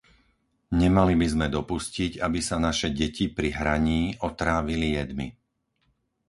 Nemali by sme dopustiť, aby sa naše deti pri hraní otrávili jedmi!